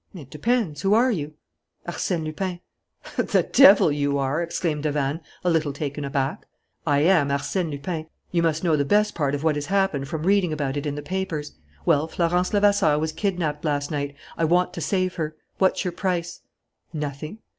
"It depends. Who are you?" "Arsène Lupin." "The devil you are!" exclaimed Davanne, a little taken aback. "I am Arsène Lupin. You must know the best part of what has happened from reading about it in the papers. Well, Florence Levasseur was kidnapped last night. I want to save her. What's your price?" "Nothing."